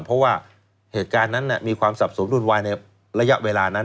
เพราะว่าเหตุการณ์นั้นมีความสับสนวุ่นวายในระยะเวลานั้น